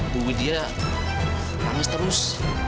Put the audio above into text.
bu widya nangis terus